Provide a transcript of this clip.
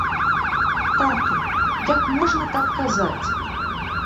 Тату, як можна так казаць.